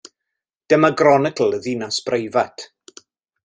Dyma gronicl y ddinas breifat.